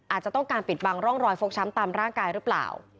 อาจจะต้องการปิดบังร่องรอยฟกช้ำตามร่างกายหรือเปล่า